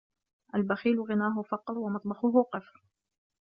البخيل غناه فقر ومطبخه قفر